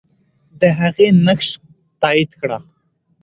د هغې نقش تایید کړه.